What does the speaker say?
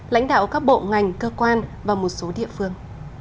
lãnh đạo các bộ ngành cơ quan và một số địa phương